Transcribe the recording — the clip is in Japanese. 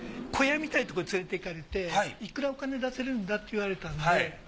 小屋みたいなとこ連れていかれていくらお金出せるんだ？って言われたんで。